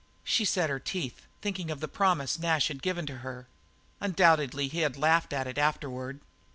She set her teeth, thinking of the promise Nash had given to her. Undoubtedly he had laughed at it afterward.